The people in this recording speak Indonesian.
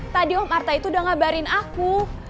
tadi om artta itu udah ngabarin aku